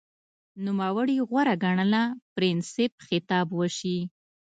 نوموړي غوره ګڼله پرنسېپ خطاب وشي